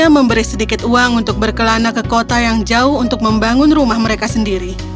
membangun rumah mereka sendiri